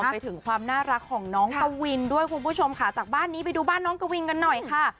ไปถึงความน่ารักของน้องกวินด้วยคุณผู้ชมค่ะจากบ้านนี้ไปดูบ้านน้องกวินกันหน่อยค่ะ